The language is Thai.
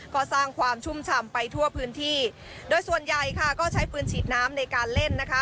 ก็สร้างความชุ่มฉ่ำไปทั่วพื้นที่โดยส่วนใหญ่ค่ะก็ใช้ปืนฉีดน้ำในการเล่นนะคะ